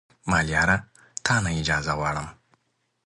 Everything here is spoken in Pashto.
ملیاره تا نه اجازه غواړم